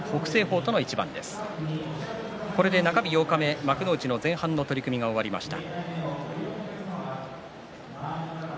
これで中日八日目幕内前半の取組が終わりました。